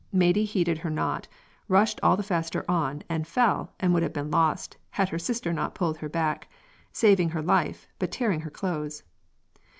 Maidie heeded her not, rushed all the faster on, and fell, and would have been lost, had her sister not pulled her back, saving her life, but tearing her clothes.